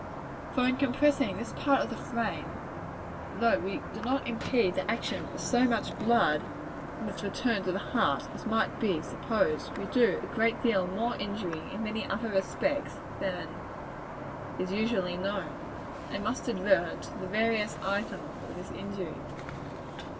For in compressing this part of the frame, though we do not impede the action of so much blood in its return to the heart as might be supposed, we do a great deal more injury in many other respects than is usually known. I must advert to the various items of this injury.